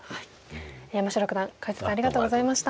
山城九段解説ありがとうございました。